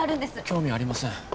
興味ありません